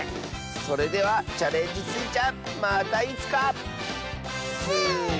それでは「チャレンジスイちゃん」またいつか！スイスーイ！